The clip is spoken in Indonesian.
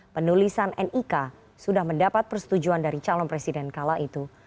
penulisan nik sudah mendapat persetujuan dari calon presiden kala itu